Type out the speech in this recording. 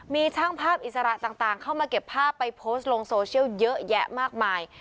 มีช่างภาพอิสระต่างเข้ามาเก็บภาพไปโพสต์ลงโซเชียลเยอะแยะมากมาย